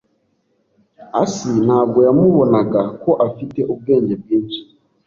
asi ntabwo yamubonaga ko afite ubwenge bwinshi.